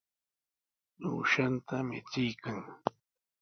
Uushanta michiykan.